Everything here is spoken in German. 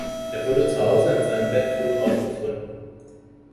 Er wurde zu Hause in seinem Bett tot aufgefunden.